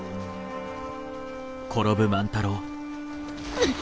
うっ！